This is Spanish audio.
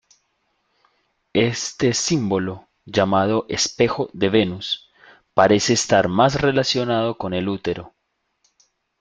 Este símbolo, llamado "espejo de Venus", parece estar más relacionado con el útero.